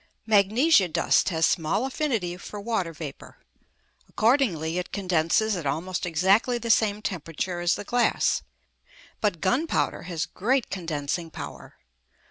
Magnesia dust has small affinity for water vapour; accordingly, it condenses at almost exactly the same temperature as the glass. But gunpowder has great condensing power.